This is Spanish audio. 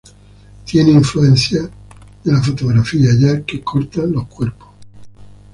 Tiene influencias de la fotografía, ya que corta los cuerpos.